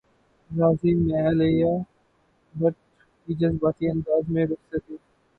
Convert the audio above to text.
راضی میں عالیہ بھٹ کی جذباتی انداز میں رخصتی